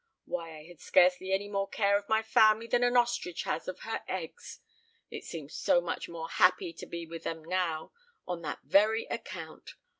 Why, I had scarcely any more care of my family than an ostrich has of her eggs. It seems so much more happy to be with them now, on that very account!